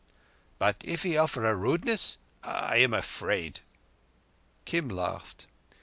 "But if he offer a rudeness? I—I am afraid." Kim laughed.